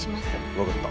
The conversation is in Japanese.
分かった。